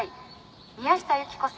宮下有紀子さん。